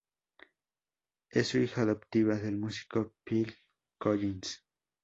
Es hija adoptiva del músico Phil Collins.